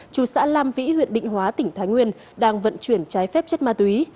chú xã lam vĩ huyện định hóa tỉnh thái nguyên đang vận chuyển trái phép chất ma túy